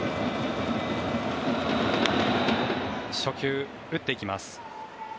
初球、打っていきます。